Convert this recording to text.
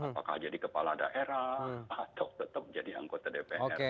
apakah jadi kepala daerah atau tetap jadi anggota dpr